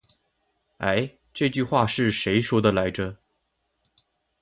欸，这句话是谁说的来着。